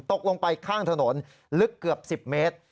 ตกลงไปข้างถนนลึกเกือบ๑๐เมตร